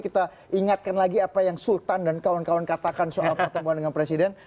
kita ingatkan lagi apa yang sultan dan kawan kawan katakan soal pertemuan dengan presiden